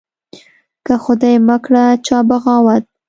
که خدای مکړه چا بغاوت